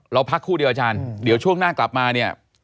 เราพักครู่เดียวอาจารย์เดี๋ยวช่วงหน้ากลับมาเนี่ย